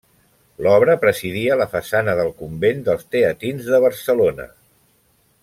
L'obra presidia la façana del convent dels teatins de Barcelona.